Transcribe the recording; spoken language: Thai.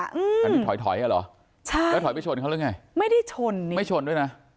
อันนี้ถอยถอยอ่ะเหรอใช่แล้วถอยไปชนเขาหรือไงไม่ได้ชนนี่ไม่ชนด้วยนะ